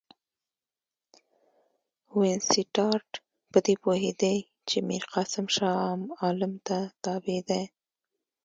وینسیټارټ په دې پوهېدی چې میرقاسم شاه عالم ته تابع دی.